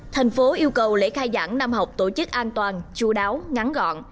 thành phố yêu cầu lễ khai giảng năm học tổ chức an toàn chú đáo ngắn gọn